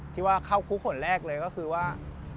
ที่ว่าเข้าคุกคนแรกเลยก็คือว่า